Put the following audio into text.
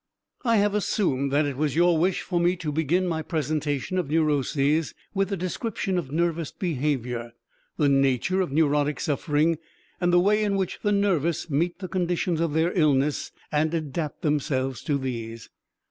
I have assumed that it was your wish for me to begin my presentation of neuroses with a description of nervous behavior, the nature of neurotic suffering, and the way in which the nervous meet the conditions of their illness and adapt themselves to these.